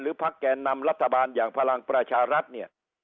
พักแก่นำรัฐบาลอย่างพลังประชารัฐเนี่ย